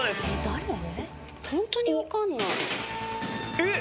えっ！？